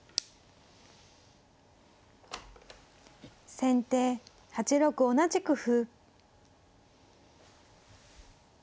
先手８六同じく歩。